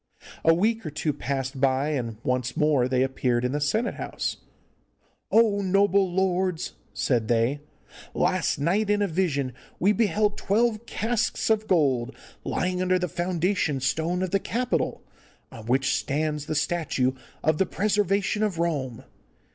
A week or two passed by, and once more they appeared in the senate house. 'O, noble lords!' said they, 'last night in a vision we beheld twelve casks of gold lying under the foundation stone of the Capitol, on which stands the statue of the Preservation of Rome.